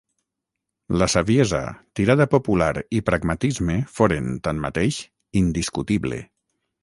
La saviesa, tirada popular i pragmatisme foren, tanmateix, indiscutible.